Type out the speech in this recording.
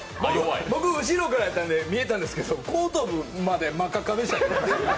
僕後ろから見えたんですけど、後頭部まで真っ赤っかでしたよ